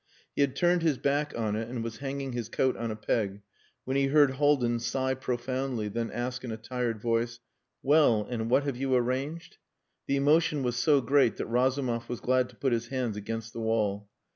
He had turned his back on it and was hanging his coat on a peg when he heard Haldin sigh profoundly, then ask in a tired voice "Well! And what have you arranged?" The emotion was so great that Razumov was glad to put his hands against the wall.